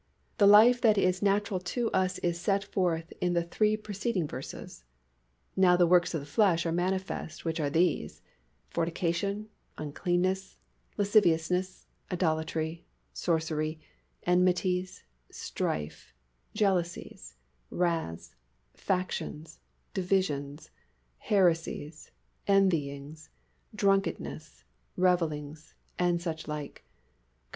The life that is natural to us is set forth in the three preceding verses: "Now the works of the flesh are manifest, which are these, fornication, uncleanness, lasciviousness, idolatry, sorcery, enmities, strife, jealousies, wraths, factions, divisions, heresies, envyings, drunkenness, revellings and such like" (Gal.